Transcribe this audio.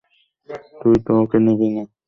তুইও তো ওকে নিবি না।